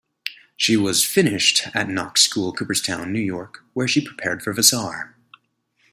She was "finished" at Knox School, Cooperstown, New York, where she prepared for Vassar.